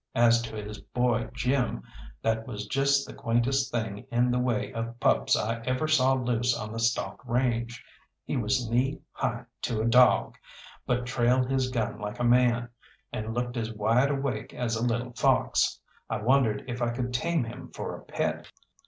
As to his boy Jim, that was just the quaintest thing in the way of pups I ever saw loose on the stock range. He was knee high to a dawg, but trailed his gun like a man, and looked as wide awake as a little fox. I wondered if I could tame him for a pet.